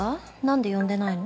なんで呼んでないの？